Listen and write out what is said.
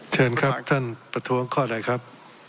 เชิญครับท่านประท้วงข้ออะไรครับ